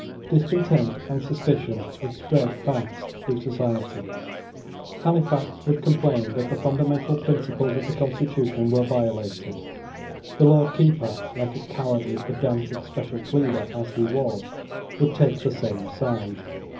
Discontent and suspicion would spread fast through society. Halifax would complain that the fundamental principles of the constitution were violated. The Lord Keeper, like a cowardly pedantic special pleader as he was, would take the same side.